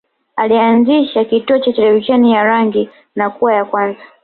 Alianzisha kituo cha televisheni ya rangi na kuwa ya kwanza